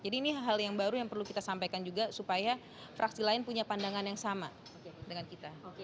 jadi ini hal yang baru yang perlu kita sampaikan juga supaya fraksi lain punya pandangan yang sama dengan kita